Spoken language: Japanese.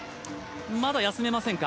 まだ休めませんか。